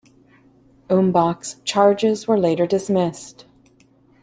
Umbach's charges were later dismissed.